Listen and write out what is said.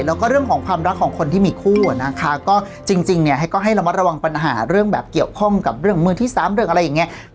แล้วก็เรื่องของความรักของคนที่มีคู่อะนะคะก็จริงเนี่ยให้ก็ให้ระมัดระวังปัญหาเรื่องแบบเกี่ยวข้องกับเรื่องมือที่สามเรื่องอะไรอย่างนี้